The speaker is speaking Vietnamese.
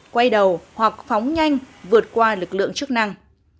quay đầu hoặc phóng nhanh vượt qua lực lượng chức năng